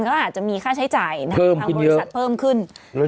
ก็อาจจะมีค่าใช้จ่ายทางบริษัทเพิ่มขึ้น